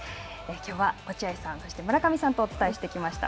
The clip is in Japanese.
きょうは落合さん、そして村上さんとお伝えしてきました。